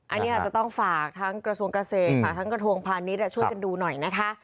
อันนี้อาจจะต้องฝากทั้งกระทรวงเกษตรฝากทั้งกระทรวงพาณิชย์ช่วยกันดูหน่อยนะคะ